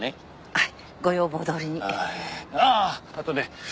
はい。